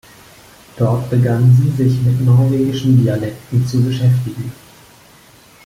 Dort begann sie, sich mit norwegischen Dialekten zu beschäftigen.